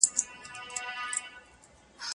ایا څېړنه د دوامداره مطالعي اړتیا لري؟